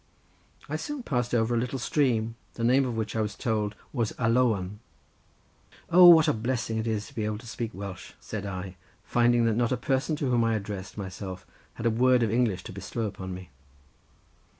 I soon passed over a little stream the name of which I was told was Alowan. "O, what a blessing it is to be able to speak Welsh!" said I, finding that not a person to whom I addressed myself had a word of English to bestow upon me.